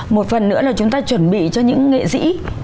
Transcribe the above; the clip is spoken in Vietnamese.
một phần nữa là chúng ta chuẩn bị cho những nghệ sĩ